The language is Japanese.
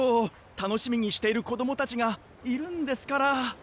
たのしみにしているこどもたちがいるんですから。